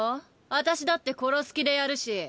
私だって殺す気でやるし。